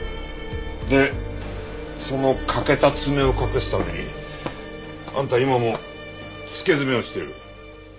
でその欠けた爪を隠すためにあんた今も付け爪をしている。